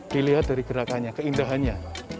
dilihat dari gerakannya keindahannya